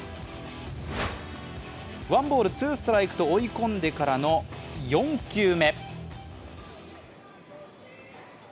ワンボールツーストライクと追い込んでからの４球目。